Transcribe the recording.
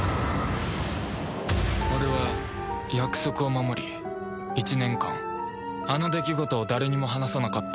俺は約束を守り１年間あの出来事を誰にも話さなかった